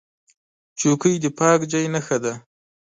چوکۍ د پاک ځای نښه ده.